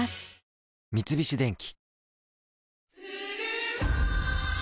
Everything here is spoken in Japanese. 三菱電機